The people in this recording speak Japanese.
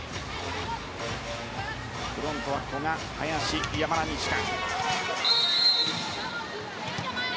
フロントは古賀、林、山田二千華。